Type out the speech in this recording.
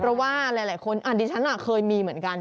เพราะว่าหลายคนดิฉันเคยมีเหมือนกัน